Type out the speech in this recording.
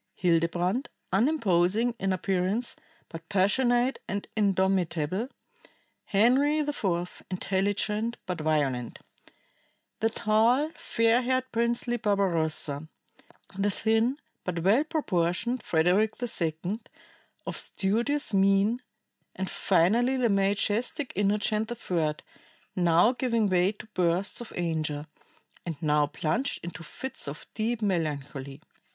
Hildebrand, unimposing in appearance, but passionate and indomitable; Henry IV, intelligent, but violent; the tall, fair haired, princely Barbarossa; the thin, but well proportioned, Frederick II, of studious mien; and finally the majestic Innocent III, now giving way to bursts of anger, and now plunged into fits of deep melancholy.